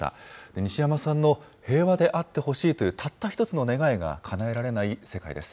西山さんの平和であってほしいというたった一つの願いがかなえられない世界です。